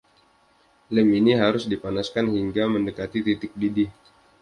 Lem ini harus dipanaskan hingga mendekati titik didih.